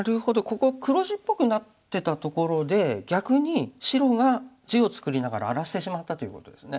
ここ黒地っぽくなってたところで逆に白が地を作りながら荒らしてしまったということですね。